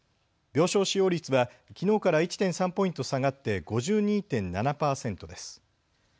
病床使用率はきのうから１．３ポイント下がって５２．７％です。